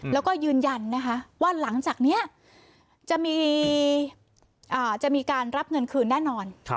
แล้วก็ยืนยันนะคะว่าหลังจากนี้จะมีการรับเงินคืนแน่นอน